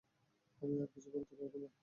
আমি আর কিছু করতে পারব না।